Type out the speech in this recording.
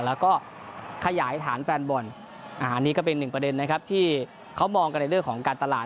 แล้วก็ขยายฐานแฟนบอลอันนี้ก็เป็นหนึ่งประเด็นนะครับที่เขามองกันในเรื่องของการตลาด